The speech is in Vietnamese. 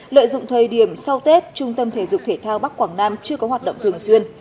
lợi dụng thời điểm sau tết trung tâm thể dục thể thao bắc quảng nam chưa có hoạt động thường xuyên